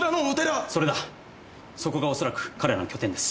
そこがおそらく彼らの拠点です。